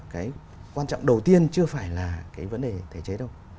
cái quan trọng đầu tiên chưa phải là cái vấn đề thể chế đâu